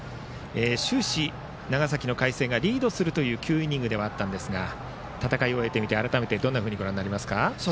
終始、長崎の海星がリードする９イニングではありましたが戦いを終えてみて改めてどんなふうにご覧になりますか。